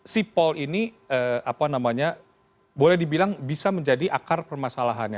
si paul ini boleh dibilang bisa menjadi akar permasalahannya